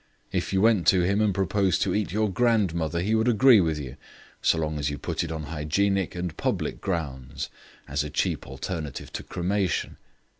If you went to him and proposed to eat your grandmother, he would agree with you, so long as you put it on hygienic and public grounds, as a cheap alternative to cremation.